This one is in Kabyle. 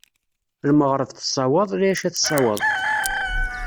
Lmeɣreb tessawaḍ, lɛica tessawaḍ.